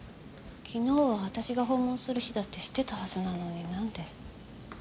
昨日は私が訪問する日だって知ってたはずなのになんで。